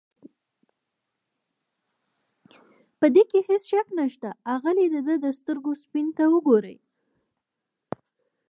په دې کې هېڅ شک نشته، اغلې د ده د سترګو سپینو ته وګورئ.